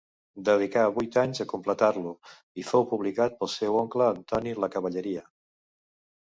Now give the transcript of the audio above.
Dedicà vuit anys a completar-lo i fou publicat pel seu oncle Antoni Lacavalleria.